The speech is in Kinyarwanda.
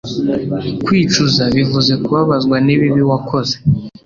Kwicuza bivuze kubabazwa n'ibibi wakoze.